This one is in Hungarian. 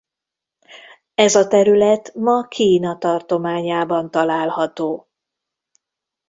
Ez a terület ma Kína tartományában található.